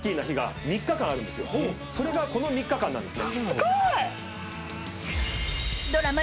それがこの３日間なんですね。